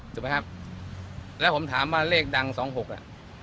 ถูกไหมครับแล้วผมถามว่าเลขดังสองหกอ่ะ